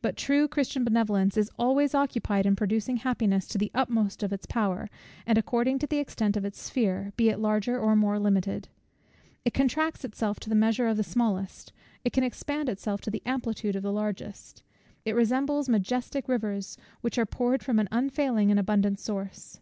But true Christian benevolence is always occupied in producing happiness to the utmost of its power, and according to the extent of its sphere, be it larger or more limited; it contracts itself to the measure of the smallest; it can expand itself to the amplitude of the largest. It resembles majestic rivers, which are poured from an unfailing and abundant source.